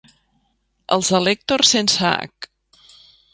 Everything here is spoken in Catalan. Els de l'Èctor sense hac.